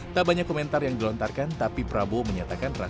tak banyak komentar yang dilontarkan tapi prabowo menyatakan